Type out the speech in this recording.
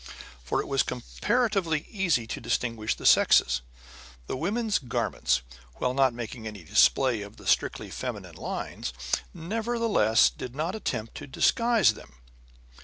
For it was comparatively easy to distinguish the sexes. The women's garments, while not making any display of the strictly feminine lines, nevertheless did not attempt to disguise them.